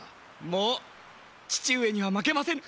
もう父上には負けませぬ！